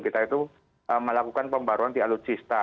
kita itu melakukan pembaruan di alutsista